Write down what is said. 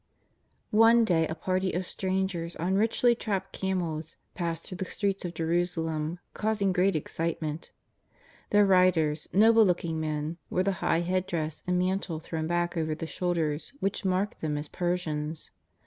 One day a party of strangers on richly trapped camels passed through the streets of Jerusalem causing great excitement. Their riders, noble looking men, wore the high head dress and mantle thrown back over the should ers, which marked them as Persians.